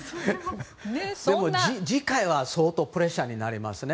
でも、次回は相当プレッシャーになりますね。